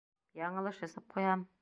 — Яңылыш эсеп ҡуйһам.